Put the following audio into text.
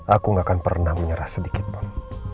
aku gak akan pernah menyerah sedikitpun